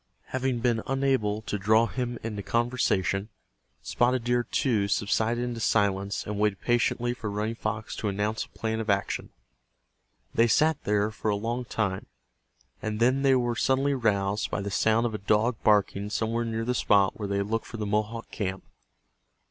Having been unable to draw him into conversation, Spotted Deer, too, subsided into silence and waited patiently for Running Fox to announce a plan of action. They sat there for a long time, and then they were suddenly roused by the sound of a dog barking somewhere near the spot where they had looked for the Mohawk camp.